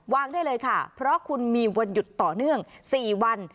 ได้เลยค่ะเพราะคุณมีวันหยุดต่อเนื่อง๔วัน